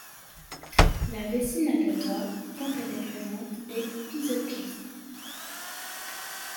La vessie natatoire, quand elle est présente, est physocliste.